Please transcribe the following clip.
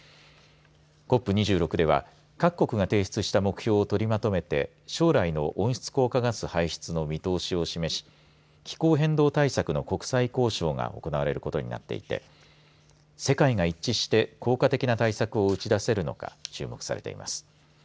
ＣＯＰ２６では各国が提出した目標を取りまとめて将来の温室効果ガス排出の見通しを示し気候変動対策の国際交渉が行われことになっていて世界が一致して効果的な対策を打ち出せれるのか注目されています。